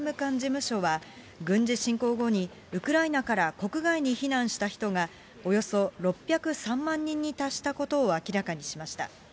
ＵＮＨＣＲ・国連難民高等弁務官事務所は軍事侵攻後にウクライナから国外に避難した人がおよそ６０３万人に達したことを明らかにしました。